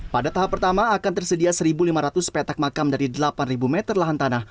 pada tahap pertama akan tersedia satu lima ratus petak makam dari delapan meter lahan tanah